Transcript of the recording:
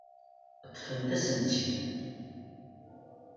Ṭṭfent-asen-tt-id.